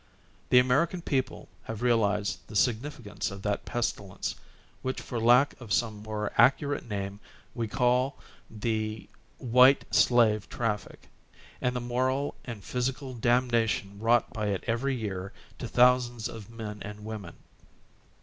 The American people have begun to reahze the significance of that pestilence, which for lack of some more accurate name we call the white slave traffic, and the moral and physical damnation wrought by it every year to thousands of men and women.